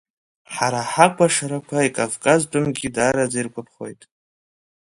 Ҳара ҳакәашарақәа икавказтәымгьы даараӡа иргәаԥхоит.